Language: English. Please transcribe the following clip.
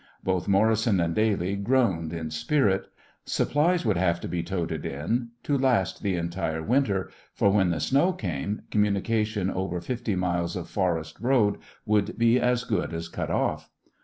Both Morrison and Daly groaned in spirit. Supplies would have to be toted in to last the entire winter, for when the snow came, communication over fifty miles of forest road would be as good as cut off.